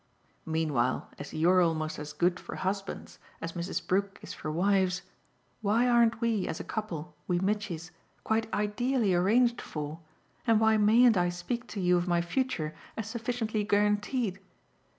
Meanwhile, as you're almost as good for husbands as Mrs. Brook is for wives, why aren't we, as a couple, we Mitchys, quite ideally arranged for, and why mayn't I speak to you of my future as sufficiently guaranteed?